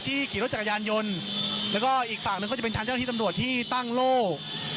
ขี่รถจักรยานยนต์แล้วก็อีกฝั่งหนึ่งก็จะเป็นทางเจ้าที่ตำรวจที่ตั้งโลก